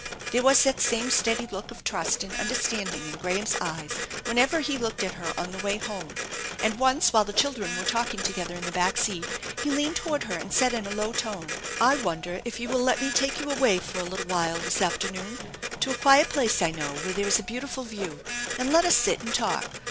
There was that same steady look of trust and understand ing in Graham's eyes whenever he looked at her on the way home, and once while the children were talking together in the back seat he leaned toward her and said in a low tone: " I wonder if you will let me take you away for a little while this afternoon to a quiet place I know where there is a beautiful view, and let us sit and talk.